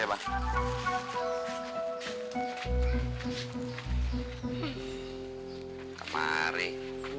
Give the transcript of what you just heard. cuma pengen mama ya